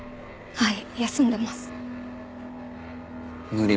はい。